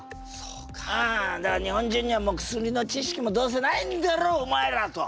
うんだから「日本人にはもう薬の知識もどうせないんだろお前ら」と。